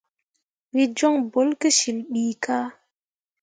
Wǝ jon bolle ki cil ɓii kah.